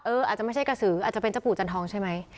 อาจจะไม่ใช่กระสืออาจจะเป็นเจ้าปู่จันทองใช่ไหม